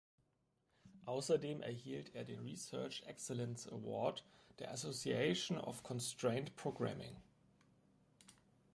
Außerdem erhielt er den Research Excellence Award der Association for Constraint Programming.